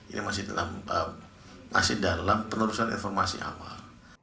ini masih dalam penerusan informasi awal